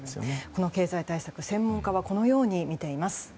この経済対策専門家はこのように見ています。